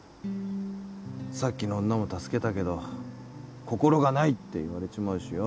さっきの女も助けたけど心がないって言われちまうしよ。